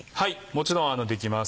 もちろんできます。